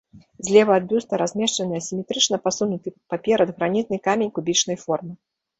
Злева ад бюста размешчаны асіметрычна пасунуты паперад гранітны камень кубічнай формы.